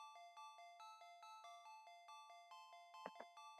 mekunduyapo mauaji mengi yametokea ya watu wasio vikongwe kabisa na wala hawana macho